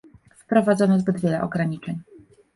Wprowadzono zbyt wiele ograniczeń